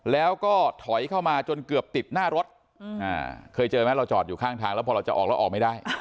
แล้วก็ถอยเข้ามาจนเกือบติดหน้ารถเคยเจอไหมเราจอดอยู่ข้างทางแล้วพอเราจะออกเราออกไม่ได้